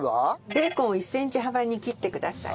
ベーコンを１センチ幅に切ってください。